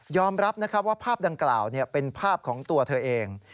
รับนะครับว่าภาพดังกล่าวเป็นภาพของตัวเธอเอง